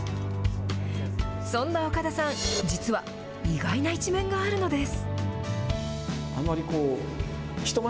そんな岡田さん、実は、意外な一面があるのです。